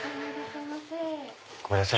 ごめんなさい。